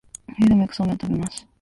冬でもそうめんをよく食べます